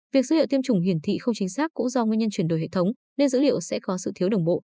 việc dữ liệu tiêm chủng hiển thị không chính xác cũng do nguyên nhân chuyển đổi hệ thống nên dữ liệu sẽ có sự thiếu đồng bộ